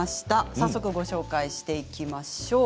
早速、ご紹介していきましょう。